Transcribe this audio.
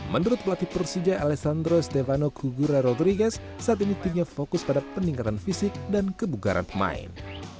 menurut pelatih persija alessandro stevano cugura rodriguez saat ini tinggal fokus pada peningkatan fisik dan kebugaran pemain